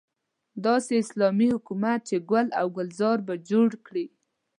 داسې اسلامي حکومت چې ګل او ګلزار به جوړ کړي.